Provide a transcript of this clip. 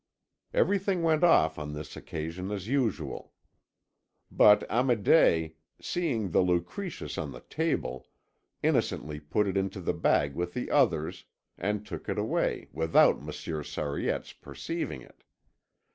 Everything went off on this occasion as usual. But Amédée, seeing the Lucretius on the table, innocently put it into the bag with the others, and took it away without Monsieur Sariette's perceiving it.